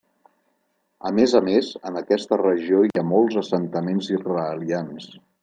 A més a més, en aquesta regió hi ha molts assentaments israelians.